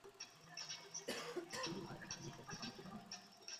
তুমি এটা দেখেছিলে যখন আমাকে বানিয়েছিলে।